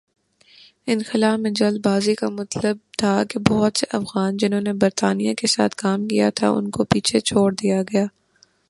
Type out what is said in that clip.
انخلا میں جلد بازی کا مطلب تھا کہ بہت سے افغان جنہوں نے برطانیہ کے ساتھ کام کیا تھا ان کو پیچھے چھوڑ دیا گیا۔